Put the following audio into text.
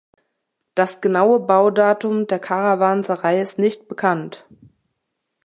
Das genaue Baudatum der Karawanserei ist nicht bekannt.